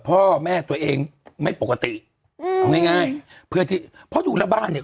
พ่อแม่ตัวเองไม่ปกติอืมเอาง่ายง่ายเพื่อที่เพราะดูแล้วบ้านเนี้ย